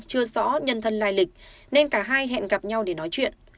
chưa rõ nhân thân lai lịch nên cả hai hẹn gặp nhau để nói chuyện